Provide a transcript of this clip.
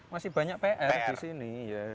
masih banyak pr di sini